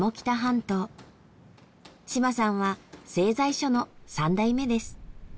島さんは製材所の３代目です。